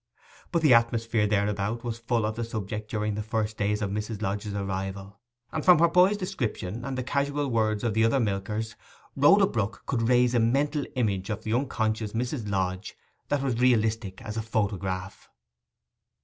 But the atmosphere thereabout was full of the subject during the first days of Mrs. Lodge's arrival; and from her boy's description and the casual words of the other milkers, Rhoda Brook could raise a mental image of the unconscious Mrs Lodge that was realistic as a photograph.